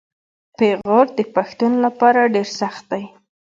پېغور د پښتون لپاره ډیر سخت دی.